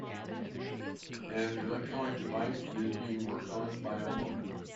An electronic device is being worked on by a woman.